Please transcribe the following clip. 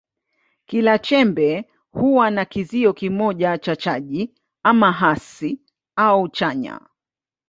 Kila chembe huwa na kizio kimoja cha chaji, ama hasi au chanya.